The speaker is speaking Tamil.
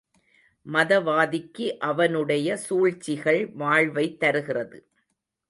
மதவாதிக்கு அவனுடைய சூழ்ச்சிகள் வாழ்வைத் தருகிறது.